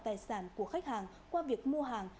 tài sản của khách hàng qua việc mua hàng